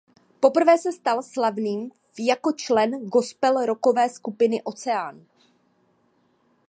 Poprvé se stal slavným v jako člen gospel rockové skupiny Ocean.